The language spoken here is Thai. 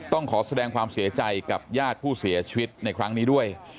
ต้องขอแสดงความเสียใจกับญาติผู้เสียชีวิตในครั้งนี้ด้วย